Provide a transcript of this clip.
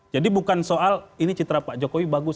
jadi bukan soal ini citra pak jokowi bagus